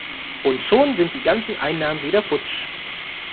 Und schon sind die ganzen Einnahmen wieder futsch!